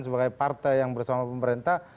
sebagai partai yang bersama pemerintah